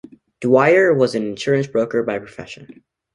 Dwyer was an insurance broker by profession.